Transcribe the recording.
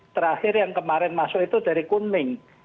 terakhir yang kemarin masuk itu dari kunning